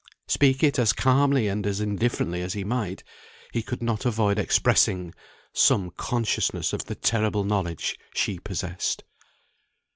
Speak it as calmly, and as indifferently as he might, he could not avoid expressing some consciousness of the terrible knowledge she possessed.